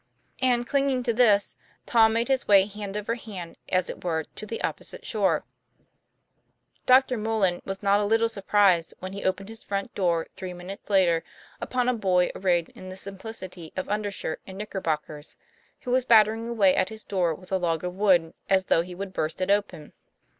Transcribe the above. And clinging to this, Tom made his way hand over hand, as it were, to the opposite shore. Dr. Mullan was not a little surprised when he opened his front door three minutes later upon a boy arrayed in the simplicity of undershirt and knicker bockers, who was battering away at his door with a log of wood as though he would burst it open.